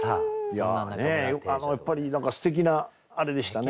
やっぱりすてきなあれでしたね。